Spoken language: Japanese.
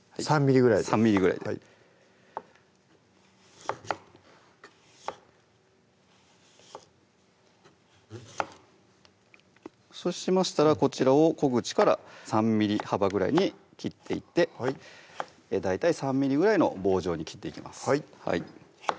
３ｍｍぐらいで３ｍｍぐらいでそうしましたらこちらを小口から３ｍｍ幅ぐらいに切っていって大体３ｍｍぐらいの棒状に切っていきます